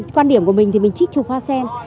quan điểm của mình thì mình chích chụp hoa sen